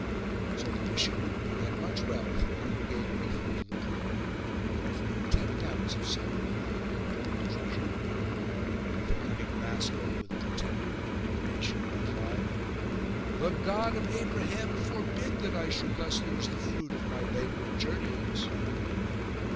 So the bishop, who had much wealth and never gave any thing to the poor, offered him ten pounds of silver for the incomparable treasure. But the cunning rascal, with pretended indignation, replied :" The God of Abraham forbid that I should thus lose the fruit of my labour and journeyings."